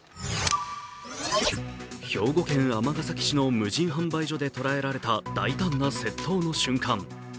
兵庫県尼崎市の無人販売所で捉えられた大胆な窃盗の瞬間。